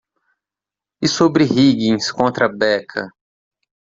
E sobre Higgins contra Becca?